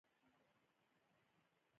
راوېندر جډیجا یو تکړه لوبغاړی دئ.